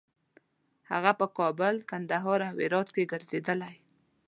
هغه په کابل، کندهار او هرات کې ګرځېدلی.